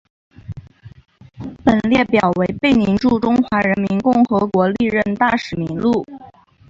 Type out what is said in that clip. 本列表为贝宁驻中华人民共和国历任大使名录。